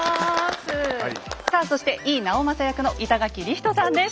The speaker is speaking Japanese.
さあそして井伊直政役の板垣李光人さんです。